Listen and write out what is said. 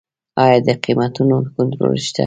آیا د قیمتونو کنټرول شته؟